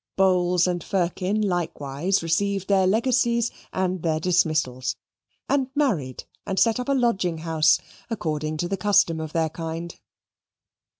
Bowls and Firkin likewise received their legacies and their dismissals, and married and set up a lodging house, according to the custom of their kind.